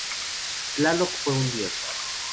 Tláloc fue un dios.